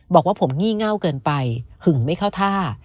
บอกว่าผมงี่เง่าเกินไปหึงไม่เข้าท่า